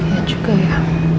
ya juga ya